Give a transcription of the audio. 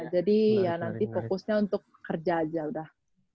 ya nanti fokusnya untuk kerja aja udah